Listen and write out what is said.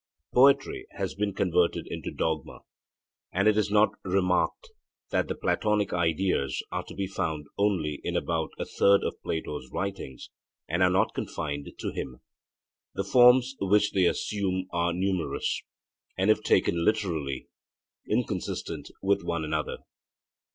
Poetry has been converted into dogma; and it is not remarked that the Platonic ideas are to be found only in about a third of Plato's writings and are not confined to him. The forms which they assume are numerous, and if taken literally, inconsistent with one another.